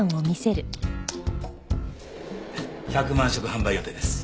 １００万食販売予定です。